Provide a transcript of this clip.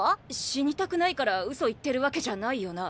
死にたくないから嘘言ってるわけじゃないよな？